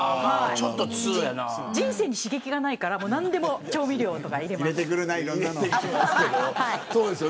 人生に刺激がないから何でも調味料とか入れます。